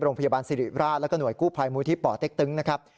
โรงพยาบาลสิริราชแล้วก็หน่วยกู้ภัยมูลที่ป่อเต็กตึงนะครับ